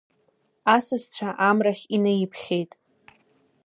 Асасцәа Амрахь инаиԥхьеит.